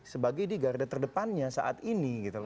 sebagai di garda terdepannya saat ini